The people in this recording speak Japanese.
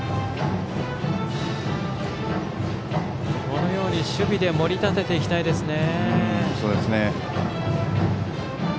このように守備で盛り立てていきたいですね。